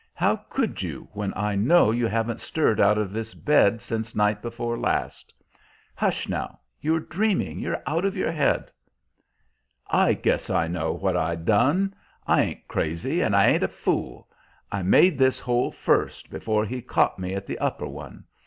"How could you, when I know you haven't stirred out of this bed since night before last? Hush, now; you are dreaming; you are out of your head." "I guess I know what I done. I ain't crazy, and I ain't a fool. I made this hole first, before he caught me at the upper one.